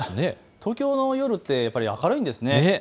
東京の夜、明るいんですね。